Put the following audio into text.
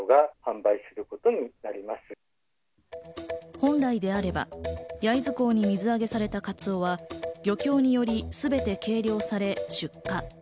本来であれば、焼津港に水揚げされたカツオは漁協によりすべて計量され、出荷。